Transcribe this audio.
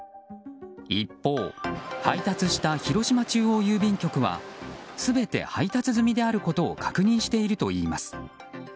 一方、配達した広島中央郵便局は全て配達済みであることを確認しているといいます。